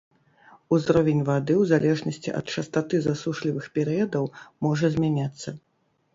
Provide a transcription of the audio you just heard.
Узровень вады ў залежнасці ад частаты засушлівых перыядаў можа змяняцца.